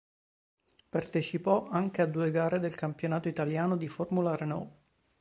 Partecipò anche a due gare del campionato italiano di Formula Renault.